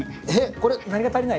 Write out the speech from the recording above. これ何が足りない？